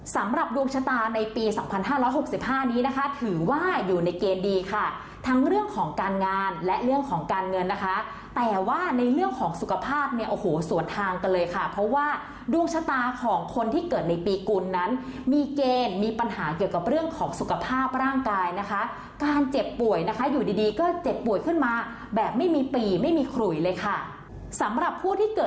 สำหรับดวงชะตาในปีสังพันห้าร้อยหกสิบห้านี้นะคะถือว่าอยู่ในเกณฑ์ดีค่ะทั้งเรื่องของการงานและเรื่องของการเงินนะคะแต่ว่าในเรื่องของสุขภาพเนี่ยโอ้โหสวนทางกันเลยค่ะเพราะว่าดวงชะตาของคนที่เกิดในปีกุลนั้นมีเกณฑ์มีปัญหาเกี่ยวกับเรื่องของสุขภาพร่างกายนะคะการเจ็บป่วยนะคะอยู่ดีก็เจ็บป่